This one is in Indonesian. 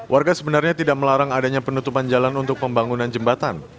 warga sebenarnya tidak melarang adanya penutupan jalan untuk pembangunan jembatan